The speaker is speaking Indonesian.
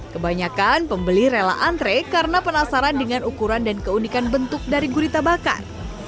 kebanyakan pembeli rela antre karena penasaran dengan ukuran dan keunikan bentuk dari gurita bakar